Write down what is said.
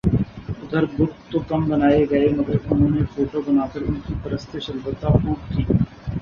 ادھر بت تو کم بنائےگئے مگر انہوں نے فوٹو بنا کر انکی پرستش البتہ خو ب کی